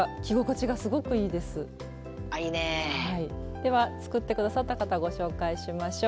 では作って下さった方ご紹介しましょう。